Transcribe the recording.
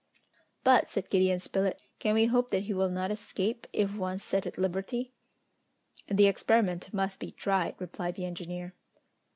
"But," said Gideon Spilett, "can we hope that he will not escape, if once set at liberty?" "The experiment must be tried," replied the engineer.